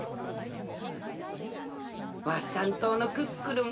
ワッサン島のクックルン